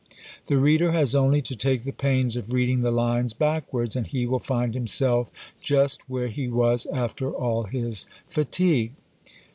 _ The reader has only to take the pains of reading the lines backwards, and he will find himself just where he was after all his fatigue.